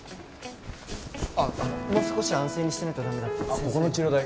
あっもう少し安静にしてないと駄目だって先生が。